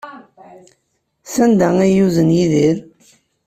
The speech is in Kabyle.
Sanda ay yuzen Yidir?